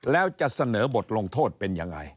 แล้วจะเสนอบทลงโทษเป็นยังไง